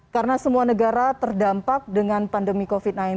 karena semua negara terdampak dengan pandemi covid sembilan belas